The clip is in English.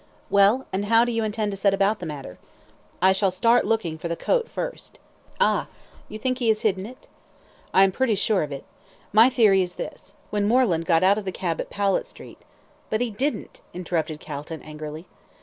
"Well, and how do you intend to set about the matter?" "I shall start looking for the coat first." "Ah! you think he has hidden it?" "I am sure of it. My theory is this. When Moreland got out of the cab at Powlett Street " "But he didn't," interrupted Calton, angrily.